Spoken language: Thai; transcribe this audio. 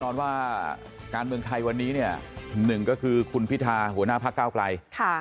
นอนว่าการเมืองไทยวันนี้เนี่ยหนึ่งก็คือคุณพิธาหัวหน้าพักเก้าไกล